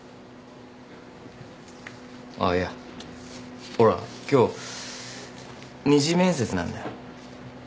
あっいやほら今日二次面接なんだよ。